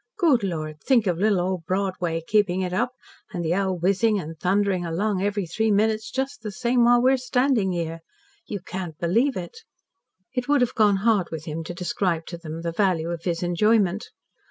Good Lord, think of little old Broadway keeping it up, and the L whizzing and thundering along every three minutes, just the same, while we're standing here! You can't believe it." It would have gone hard with him to describe to them the value of his enjoyment.